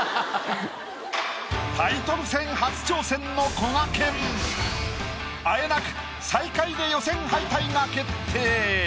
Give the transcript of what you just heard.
タイトル戦初挑戦のこがけんあえなく最下位で予選敗退が決定。